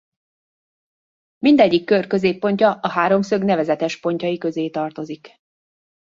Mindegyik kör középpontja a háromszög nevezetes pontjai közé tartozik.